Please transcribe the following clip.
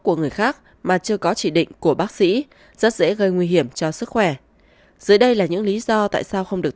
của người khác mà chưa có chỉ định của bác sĩ rất dễ gây nguy hiểm cho sức khỏe dưới đây là những lý do tại sao không được